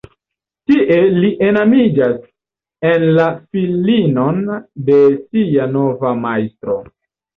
Tie li enamiĝas en la filinon de sia nova majstro.